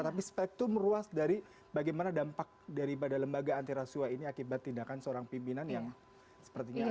tapi spektrum ruas dari bagaimana dampak daripada lembaga antiraswa ini akibat tindakan seorang pimpinan yang sepertinya ada